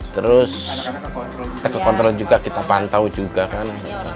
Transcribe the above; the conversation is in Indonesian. terus kita kekontrol juga kita pantau juga kan